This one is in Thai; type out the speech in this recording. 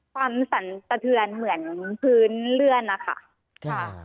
สั่นสะเทือนเหมือนพื้นเลื่อนนะคะ